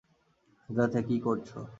আজ রাতে কী করছো?